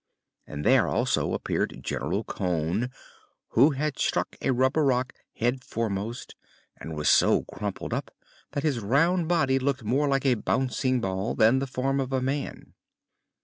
And there, also, appeared General Cone, who had struck a rubber rock headforemost and was so crumpled up that his round body looked more like a bouncing ball than the form of a man.